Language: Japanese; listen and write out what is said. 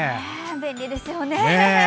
便利ですよね。